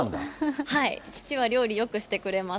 はい、父は料理、よくしてくれます。